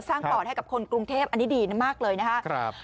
ปอดให้กับคนกรุงเทพอันนี้ดีมากเลยนะครับ